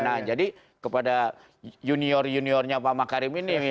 nah jadi kepada junior juniornya pak makarim ini